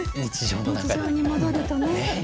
日常に戻るとね。